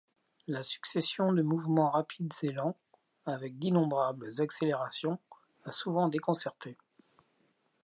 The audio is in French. La succession de mouvements rapides et lents, avec d'innombrables accélérations, a souvent déconcerté.